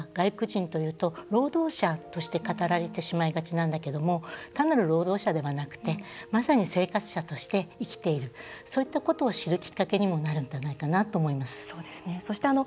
どうしても労働者として語られてしまうんだけど単なる労働者でなくてまさに生活者として生きているそういったことを知るきっかけになるかなと思います。